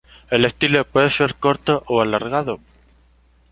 El estilo puede ser corto o alargado.